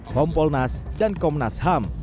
kompolnas dan komnas ham